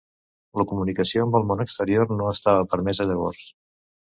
La comunicació amb el món exterior no estava permesa llavors.